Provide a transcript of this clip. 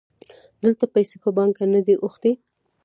دلته پیسې په پانګه نه دي اوښتي